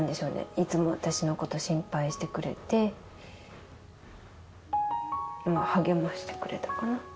いつも私のこと心配してくれてまぁ励ましてくれたかな